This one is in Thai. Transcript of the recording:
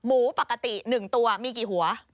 ปกติ๑ตัวมีกี่หัว